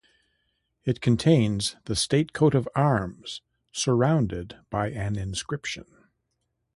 It contains the state coat of arms surrounded by an inscription.